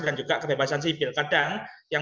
dan juga kebebasan sibil kadang yang